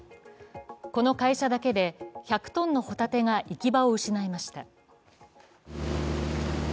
この会社だけで１００ｔのほたてが行き場を失いました。